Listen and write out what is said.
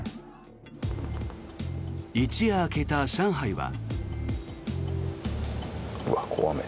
一夜明けた上海は。